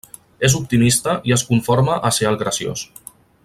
És optimista i es conforma a ser el graciós.